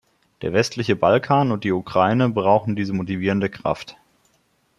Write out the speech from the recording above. Der westliche Balkan und die Ukraine brauchen diese motivierende Kraft.